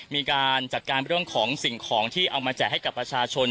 มีการจัดการเรื่องของสิ่งของที่เอามาแจกให้กับประชาชน